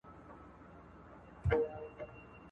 کله کله د ځنکدن په وخت کي ..